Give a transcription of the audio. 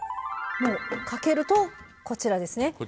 もうかけるとこちらですね。